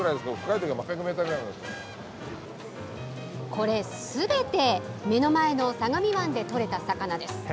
これすべて目の前の相模湾でとれた魚です。